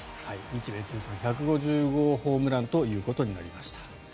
日米通算１５０号ホームランということになりました。